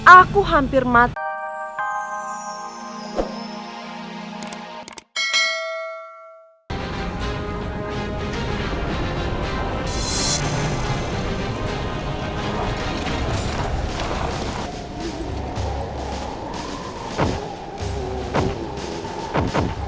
aku hampir mati